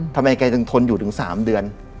ทำไมแกถึงทนอยู่ถึง๓เดือน